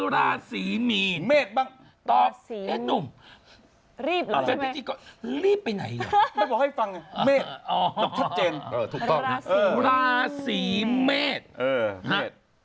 ราศรีเมฆ